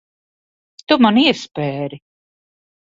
Tu man iespēri.